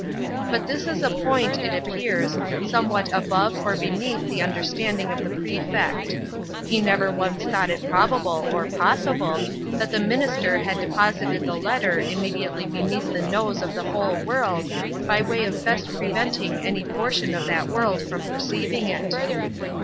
But this is a point, it appears, somewhat above or beneath the understanding of the Prefect. He never once thought it probable, or possible, that the Minister had deposited the letter immediately beneath the nose of the whole world, by way of best preventing any portion of that world from perceiving it.